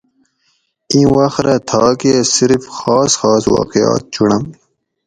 اِیں وخ رہ تھاکہ صرف خاص خاص واقعات چُنڑم